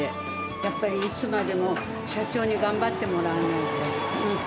やっぱり、いつまでも社長に頑張ってもらわないと。